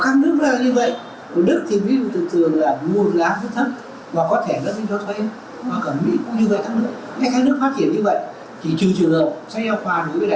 các nước phát triển như vậy thì trừ trường hợp sách giáo khoa đối với đại học thì nó bán theo người thiên gia thị trường đã rất cao